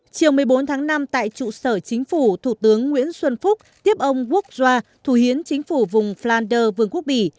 chiều một mươi bốn tháng năm tại trụ sở chính phủ thủ tướng nguyễn xuân phúc tiếp ông ruk jor thủ hiến chính phủ vùng flander vương quốc bỉ